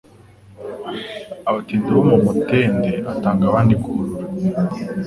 Abatindi bo mu MutendeAtanga abandi guhurura